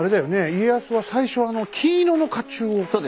家康は最初あの金色の甲冑を着てましたね。